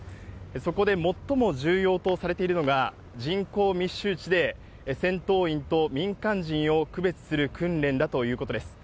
そこでもっとも重要とされているのが、人口密集地で、戦闘員と民間人を区別する訓練だということです。